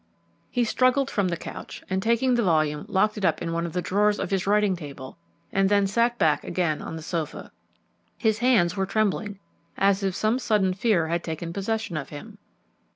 He struggled up from the couch, and, taking the volume, locked it up in one of the drawers of his writing table, and then sat back again on the sofa. His hands were trembling, as if some sudden fear had taken possession of him.